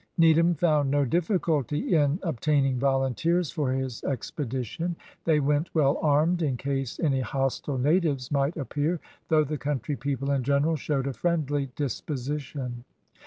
Needham found no difficulty in obtaining volunteers for his expedition. They went well armed in case any hostile natives might appear, though the country people in general showed a friendly disposition.